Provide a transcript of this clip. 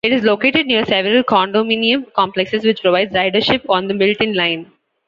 It is located near several condominium complexes, which provides ridership on the Milton Line.